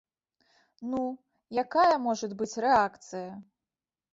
Ну, якая можа быць рэакцыя?